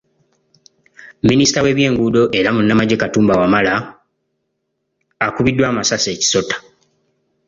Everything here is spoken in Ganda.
Minisita w’ebyenguudo era munnamagye Katumba Wamala akubiddwa amasasi e Kisota .